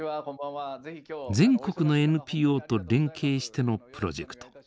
全国のＮＰＯと連携してのプロジェクト。